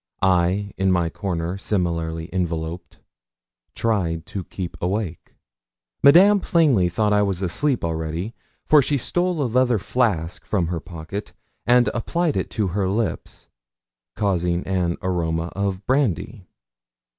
I, in my corner similarly enveloped, tried to keep awake. Madame plainly thought I was asleep already, for she stole a leather flask from her pocket, and applied it to her lips, causing an aroma of brandy.